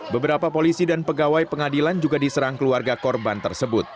beberapa polisi dan pegawai pengadilan juga diserang keluarga korban tersebut